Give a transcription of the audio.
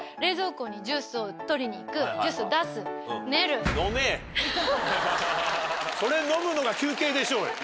例えば。それ飲むのが休憩でしょうよ。